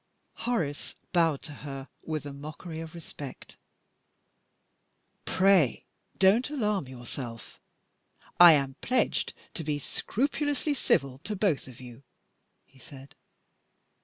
Horace bowed to her with a mockery of respect. "Pray don't alarm yourself I am pledged to be scrupulously civil to both of you," he said.